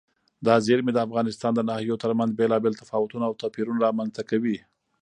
دا زیرمې د افغانستان د ناحیو ترمنځ بېلابېل تفاوتونه او توپیرونه رامنځ ته کوي.